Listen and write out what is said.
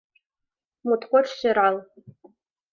Моткоч сӧрал!